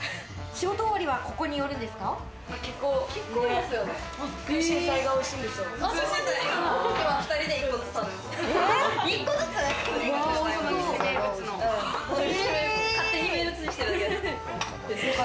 仕事終わりは、ここに寄るんですか？